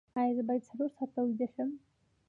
ایا زه باید څلور ساعته ویده شم؟